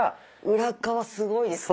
裏側すごいですね。